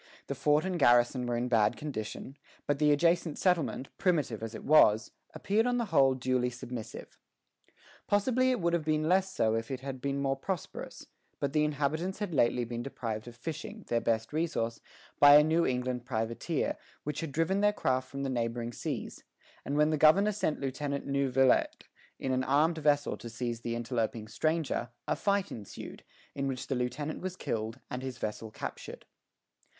The fort and garrison were in bad condition; but the adjacent settlement, primitive as it was, appeared on the whole duly submissive. Possibly it would have been less so if it had been more prosperous; but the inhabitants had lately been deprived of fishing, their best resource, by a New England privateer which had driven their craft from the neighboring seas; and when the governor sent Lieutenant Neuvillette in an armed vessel to seize the interloping stranger, a fight ensued, in which the lieutenant was killed, and his vessel captured.